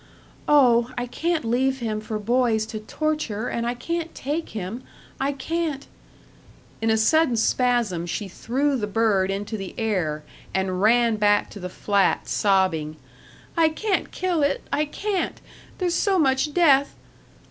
"Oh, I can't leave him for boys to torture and I can't take him, I can't " In a sudden spasm she threw the bird into the air, and ran back to the flat, sobbing, "I can't kill it I can't there's so much death."